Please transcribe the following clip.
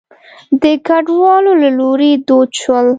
د کډوالو له لوري دود شول.